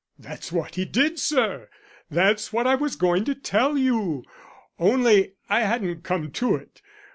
"That's what he did, sir. That's what I was going to tell you, only I hadn't come to it.